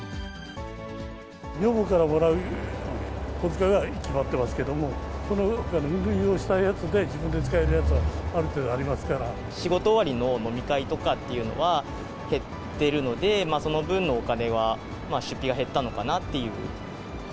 女房からもらう小遣いは決まってますけれども、そのほかの運用したやつで自分で使えるやつはある程度ありますか仕事終わりの飲み会とかっていうのは減ってるので、その分のお金は出費が減ったのかなっていう。